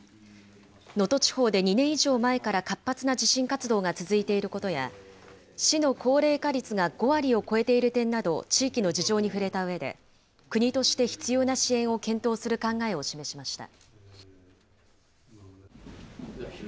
能登地方で２年以上前から活発な地震活動が続いていることや、市の高齢化率が５割を超えている点など、地域の事情に触れたうえで、国として必要な支援を検討する考えを示しました。